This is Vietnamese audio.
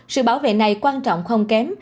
sự bảo vệ này quan trọng không kém